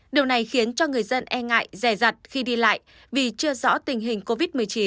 điều này khiến cho người dân e ngại rè rặt khi đi lại vì chưa rõ tình hình covid một mươi chín